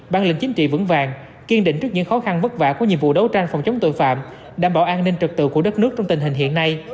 bản lĩnh chính trị vững vàng kiên định trước những khó khăn vất vả của nhiệm vụ đấu tranh phòng chống tội phạm đảm bảo an ninh trực tự của đất nước trong tình hình hiện nay